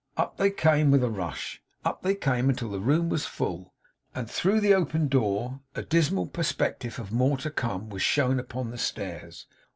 Up they came with a rush. Up they came until the room was full, and, through the open door, a dismal perspective of more to come, was shown upon the stairs.